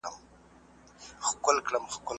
ادم ع په خپله تېروتنه پښېمانه و.